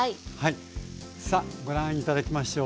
さあご覧頂きましょう。